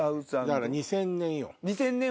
だから２０００年よ。